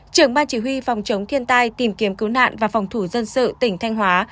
trưởng ban chỉ huy phòng chống thiên tai tìm kiếm cứu nạn và phòng thủ dân sự tỉnh thanh hóa